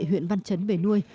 huyện văn trấn về nuôi